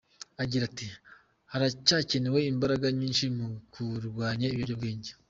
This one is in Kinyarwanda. Agira ati “Haracyakenewe imbaraga nyinshi mu kurwanya ibiyobyabwenge.